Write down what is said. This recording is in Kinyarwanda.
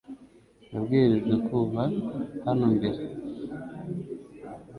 Nabwirijwe kuva hano mbere